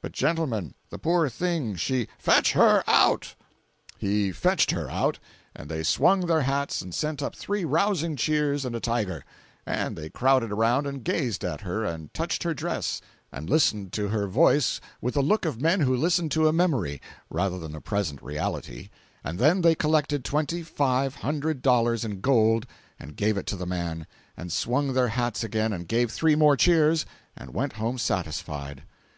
"But, gentlemen, the poor thing, she—" "FETCH HER OUT!" 416.jpg (87K) He "fetched her out," and they swung their hats and sent up three rousing cheers and a tiger; and they crowded around and gazed at her, and touched her dress, and listened to her voice with the look of men who listened to a memory rather than a present reality—and then they collected twenty five hundred dollars in gold and gave it to the man, and swung their hats again and gave three more cheers, and went home satisfied.